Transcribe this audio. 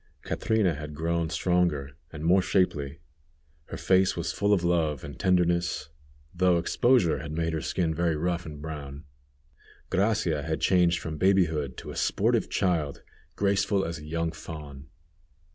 Catrina had grown stronger, and more shapely. Her face was full of love and tenderness, though exposure had made her skin very rough and brown. Gracia had changed from babyhood to a sportive child, graceful as a young fawn.